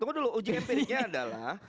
cuma dulu uji empiriknya adalah